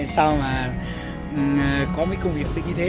sao mà có mấy công việc tự nhiên thế